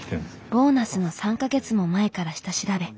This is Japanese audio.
ボーナスの３か月も前から下調べ。